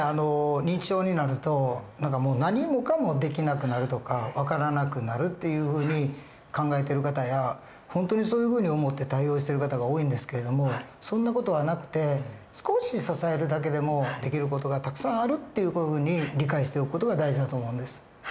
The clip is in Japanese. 認知症になるともう何もかもできなくなるとか分からなくなるっていうふうに考えてる方や本当にそういうふうに思って対応してる方が多いんですけれどもそんな事はなくて少し支えるだけでもできる事がたくさんあるっていうふうに理解しておく事が大事だと思うんです。